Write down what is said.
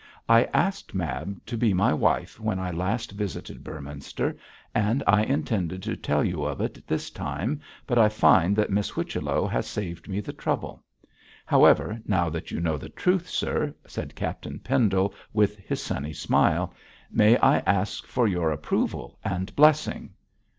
I asked Mab to be my wife when I last visited Beorminster, and I intended to tell you of it this time, but I find that Miss Whichello has saved me the trouble. However, now that you know the truth, sir,' said Captain Pendle, with his sunny smile, 'may I ask for your approval and blessing?'